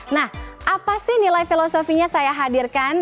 nah apa sih nilai filosofinya saya hadirkan